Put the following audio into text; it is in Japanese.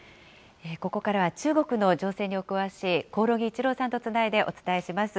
ここからは中国の情勢にお詳しい興梠一郎さんとつないでお伝えします。